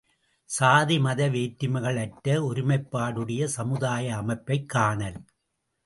சாதி, மத வேற்றுமைகளற்ற ஒருமைப்பாடுடைய சமுதாய அமைப்பைக் காணல்.